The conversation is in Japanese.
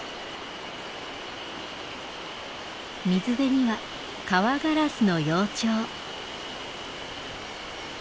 水辺にはカワガラスの幼鳥。